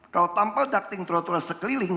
kalau tanpa dating trotuar sekeliling